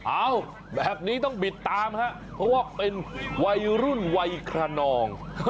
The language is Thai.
อ้าวแบบนี้ต้องบิดตามครับเพราะว่าเป็นวัยรุ่นวัยขนอง